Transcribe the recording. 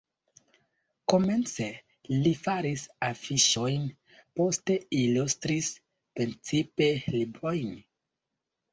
Komence li faris afiŝojn, poste ilustris precipe librojn.